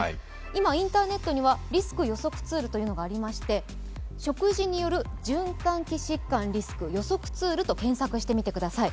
今、インターネットにはリスク予測ツールというのがありまして食事による循環器疾患リスク予測ツールと検索してください。